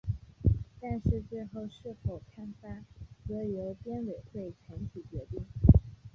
但是最后是否刊发则由编委会全体决定。